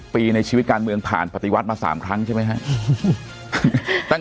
ปีในชีวิตการเมืองผ่านปฏิวัติมา๓ครั้งใช่ไหมครับ